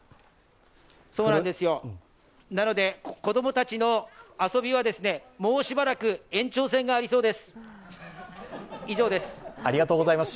子供たちの遊びはもうしばらく延長戦がありそうです。